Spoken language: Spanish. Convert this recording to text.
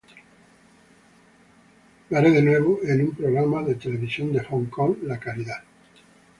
I Did It Again, en un programa de televisión de Hong Kong, la caridad.